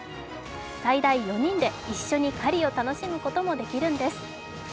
最大４人で一緒に狩りを楽しむこともできるんです。